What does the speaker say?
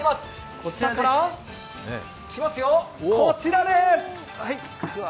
こちらから、来ますよ、こちらです。